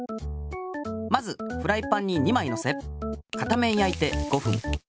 まずフライパンに２まいのせ片面やいて５ふん。